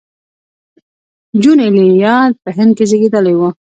جون ایلیا په هند کې زېږېدلی و